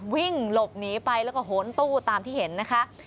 วิ่งหลบหนีไปแล้วก็โหนตู้ตามที่เห็นนะคะ